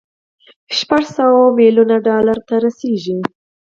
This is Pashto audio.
شپږ سوه ميليونه ډالر ته رسېږي.